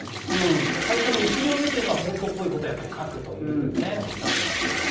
最初の１行目は本当っぽいことを書くというふうにおしゃっていました。